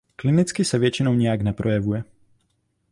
Klinicky se většinou nijak neprojevuje.